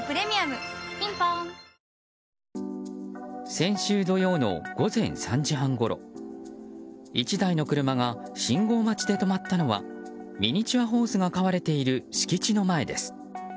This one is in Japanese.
先週土曜の午前３時半ごろ１台の車が信号待ちで止まったのはミニチュアホースが飼われている敷地の前です。